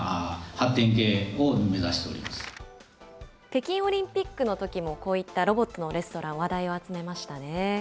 北京オリンピックのときも、こういったロボットのレストラン、話題を集めましたね。